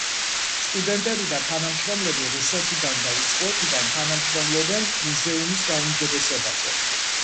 სტუდენტები და თანამშრომლები რუსეთიდან და უცხოეთიდან თანამშრომლობენ მუზეუმის გაუმჯობესებაზე.